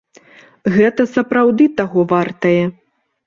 Гэта сапраўды таго вартае.